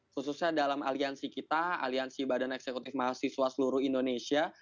khususnya dalam aliansi kita aliansi badan eksekutif mahasiswa seluruh indonesia